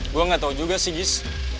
gue gak tau juga sih gis